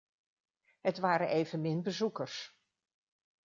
Het waren evenmin bezoekers.